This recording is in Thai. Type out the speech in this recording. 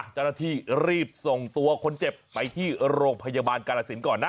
เจ้าหน้าที่รีบส่งตัวคนเจ็บไปที่โรงพยาบาลกาลสินก่อนนะ